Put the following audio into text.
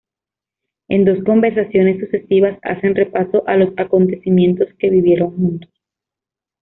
En dos conversaciones sucesivas hacen repaso a los acontecimientos que vivieron juntos.